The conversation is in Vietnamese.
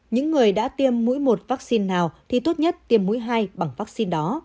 những người đã tiêm mũi một vaccine nào thì tốt nhất tiêm mũi hai bằng vaccine đó